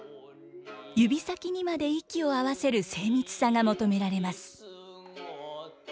指先にまで息を合わせる精密さが求められます。